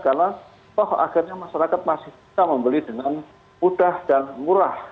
karena agar masyarakat masih bisa membeli dengan mudah dan murah